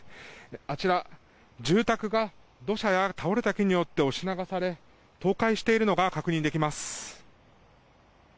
あちら住宅が土砂や倒れた木によって押し流され、倒壊しているのが確認できます。